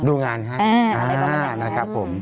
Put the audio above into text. ดูงานค่ะในการดูแลนะครับผม